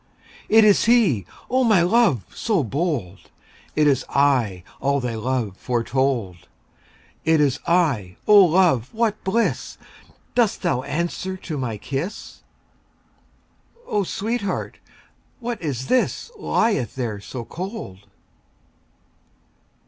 It is he—O my love! So bold! It is I—all thy love Foretold! 20 It is I—O love, what bliss! Dost thou answer to my kiss? O sweetheart! what is this Lieth there so cold?